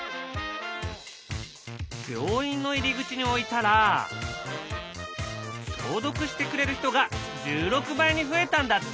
病院の入り口に置いたら消毒してくれる人が１６倍に増えたんだって。